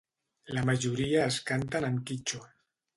La majoria es canten en quítxua.